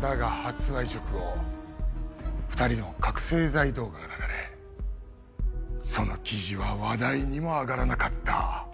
だが発売直後２人の覚せい剤動画が流れその記事は話題にも上がらなかった。